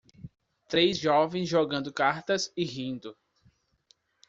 Três jovens jogando cartas e rindo.